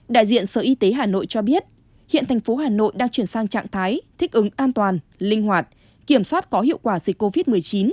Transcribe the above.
đại diện sở y tế hà nội cho biết hiện thành phố hà nội đang chuyển sang trạng thái thích ứng an toàn linh hoạt kiểm soát có hiệu quả dịch covid một mươi chín